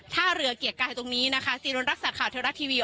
ท่าเรือเกียรติกายตรงนี้นะคะซีรนรักษาข่าวเทวรัฐทีวี